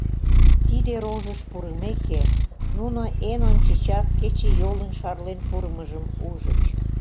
Тиде рожыш пурымеке, нуно эн ончычак кечыйолын шарлен пурымыжым ужыч.